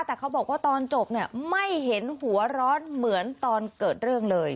แต่เขาบอกว่าตอนจบเนี่ยไม่เห็นหัวร้อนเหมือนตอนเกิดเรื่องเลย